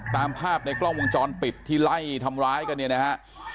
ตามภาพในกล้องวงจรปิดที่ไล่ทำร้ายกันเนี่ยนะฮะ